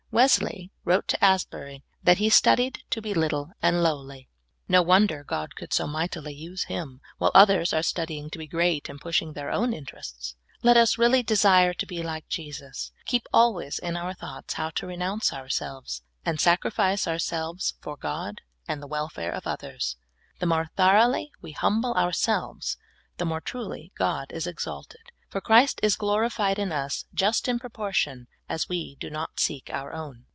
Wesley wrote to Asbury that he studied to be little and lowly. No wonder God could THE FORMS OF DIVINE LIFE. 1 29 SO mightih^ use him ; while others are studying to be great and pushing their own interests, let us really de sire to be like Jesus, keep always in our thoughts how to renounce ourselves, and sacrifice ourselves for God and the welfare of others. The more thoroughly we humble ourselves, the more truly God is exalted, for, Christ is glorified in us just in proportion as we do not seek our own.